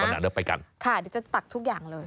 วันหลังเราไปกันค่ะจะตักทุกอย่างเลย